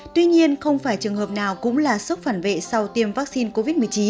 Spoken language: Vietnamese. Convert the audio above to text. tuy nhiên không phải trường hợp nào cũng là sốc phản vệ sau tiêm vaccine covid một mươi chín